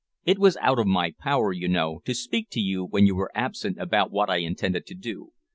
It was out of my power you know, to speak to you when you were absent about what I intended to do.